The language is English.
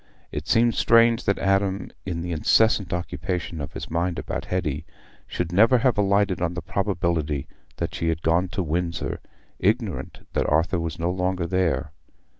It seems strange that Adam, in the incessant occupation of his mind about Hetty, should never have alighted on the probability that she had gone to Windsor, ignorant that Arthur was no longer there.